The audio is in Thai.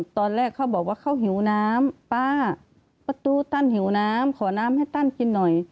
ตอนแรกเขาบอกว่าเขาหิวน้ำป้าประตูตั้นหิวน้ำขอน้ำให้ตั้นกินหน่อย